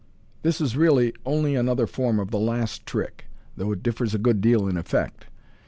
— This is really only another form oi the last trick, though it differs a good deal in effect.